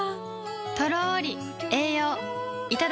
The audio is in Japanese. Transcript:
とろり栄養いただきます